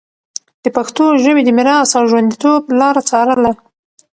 د پښتو ژبي د میراث او ژونديتوب لاره څارله